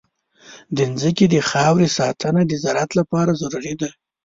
د ځمکې د خاورې ساتنه د زراعت لپاره ضروري ده.